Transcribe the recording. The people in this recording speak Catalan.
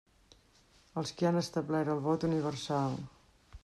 Els qui han establert el vot universal.